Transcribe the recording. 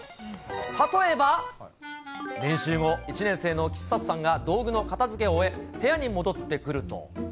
例えば、練習後、１年生の岸里さんが道具の片づけを終え、部屋に戻ってくると。